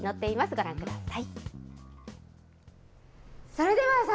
ご覧ください。